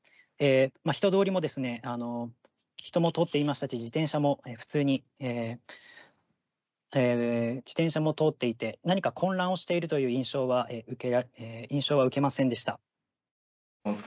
人通りも、人も通っていましたし自転車も通っていて何か混乱をしているという印象は受けませんでした。